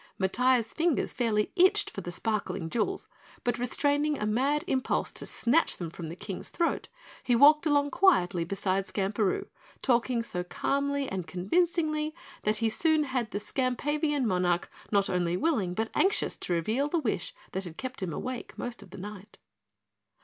Matiah's fingers fairly itched for the sparkling jewels, but restraining a mad impulse to snatch them from the King's throat, he walked along quietly beside Skamperoo talking so calmly and convincingly that he soon had the Skampavian monarch not only willing but anxious to reveal the wish that had kept him awake most of the night.